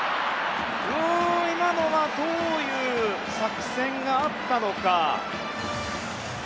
今のはどういう作戦があったのか。